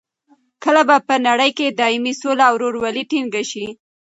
کله به په نړۍ کې دایمي سوله او رورولي ټینګه شي؟